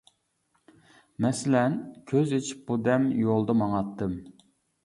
مەسىلەن: كۆز ئېچىپ بۇ دەم، يولدا ماڭاتتىم.